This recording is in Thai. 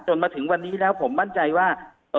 มาถึงวันนี้แล้วผมมั่นใจว่า